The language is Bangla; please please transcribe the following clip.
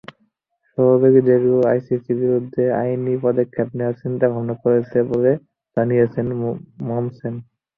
সহযোগী দেশগুলো আইসিসির বিরুদ্ধে আইনি পদক্ষেপ নেওয়ার চিন্তাভাবনাও করছে বলে জানিয়েছেন মমসেন।